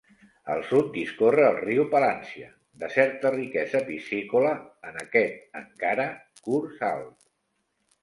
Al sud discorre el riu Palància, de certa riquesa piscícola en aquest encara curs alt.